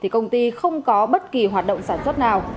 công ty không có bất kỳ hoạt động sản xuất nào